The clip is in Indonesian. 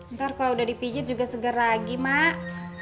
ntar kalau udah dipijit juga segar lagi mak